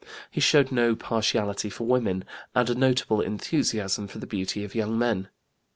He showed no partiality for women, and a notable enthusiasm for the beauty of young men....